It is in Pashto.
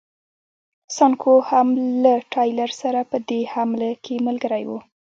سانکو هم له ټایلر سره په دې حمله کې ملګری و.